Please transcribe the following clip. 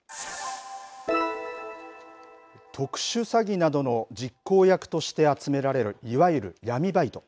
特殊詐欺などの実行役として集められるいわゆる闇バイト。